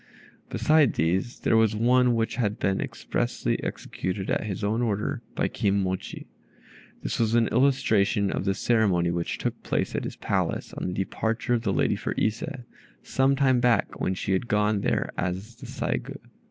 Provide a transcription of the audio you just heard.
Besides these, there was one which had been expressly executed at his own order by Kim mochi. This was an illustration of the ceremony which took place at his palace on the departure of the lady for Ise, some time back, when she had gone there as the Saigû.